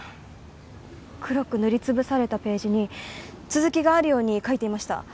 黒く塗り潰されたページに続きがあるように描いていました。